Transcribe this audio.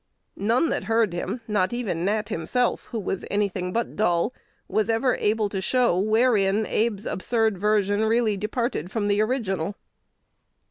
None that heard him, not even Nat himself (who was any thing but dull), was ever able to show wherein Abe's absurd version really departed from the original.